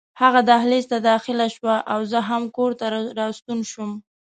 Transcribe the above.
هغه دهلېز ته داخله شوه او زه هم کور ته راستون شوم.